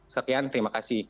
sekian terima kasih